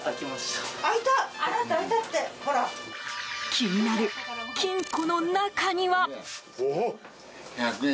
気になる金庫の中には。